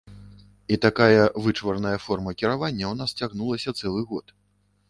І такая вычварная форма кіравання ў нас цягнулася цэлы год.